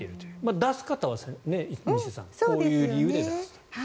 出す方は西出さんこういう理由で出すと。